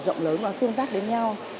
rộng lớn nó tương tác đến nhau